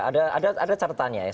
ada ada ada catatannya ya